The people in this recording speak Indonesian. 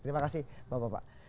terima kasih bapak bapak